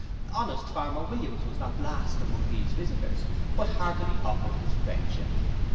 Honest farmer Williams was not last among these visitors; but heartily offered his friendship.